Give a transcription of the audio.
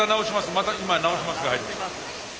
また今「直します」が入った。